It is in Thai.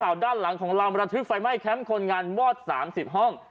ด้านหลังของเรามรทึกไฟไหม้แคมป์คนงานมอด๓๐ห้อง